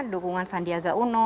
dukungan sandiaga uno